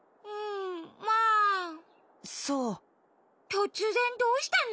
とつぜんどうしたの？